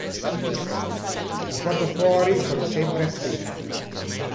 I fotofori sono sempre assenti.